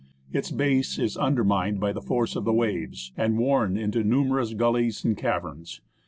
Its base is undermined by the force of the waves, and worn into numerous gullies and caverns.